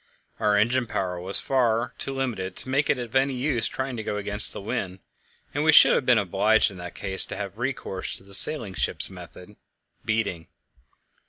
Our engine power was far too limited to make it of any use trying to go against the wind, and we should have been obliged in that case to have recourse to the sailing ship's method beating.